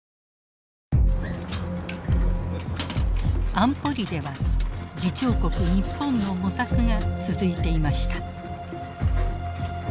安保理では議長国日本の模索が続いていました。